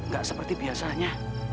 gak seperti biasanya